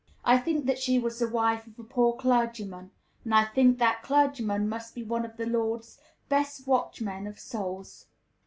I think that she was the wife of a poor clergyman; and I think that clergyman must be one of the Lord's best watchmen of souls.